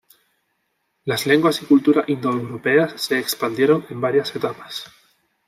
Las lenguas y cultura indoeuropeas se expandieron en varias etapas.